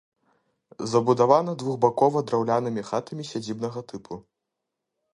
Забудавана двухбакова драўлянымі хатамі сядзібнага тыпу.